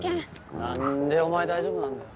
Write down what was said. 何でお前大丈夫なんだよ？